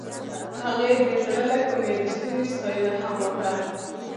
هغې د زړه له کومې د ستوري ستاینه هم وکړه.